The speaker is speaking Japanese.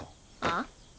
あっ？